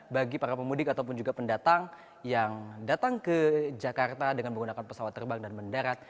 bagi para pemudik ataupun juga pendatang yang datang ke jakarta dengan menggunakan pesawat terbang dan mendarat